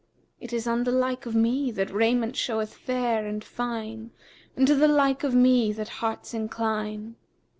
It is on the like of me that raiment showeth fair and fine and to the like of me that hearts incline.